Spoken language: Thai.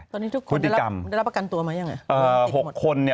ตอนนี้ทุกคนได้รับประกันตัวไหมยังไง